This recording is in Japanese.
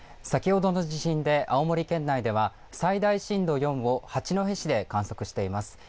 先ほどの地震で青森県内では最大震度４を八戸市で観測しています。